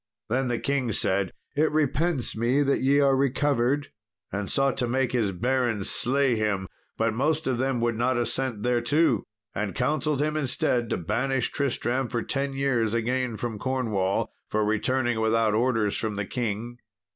Then the king said, "It repents me that ye are recovered," and sought to make his barons slay him. But most of them would not assent thereto, and counselled him instead to banish Tristram for ten years again from Cornwall, for returning without orders from the king.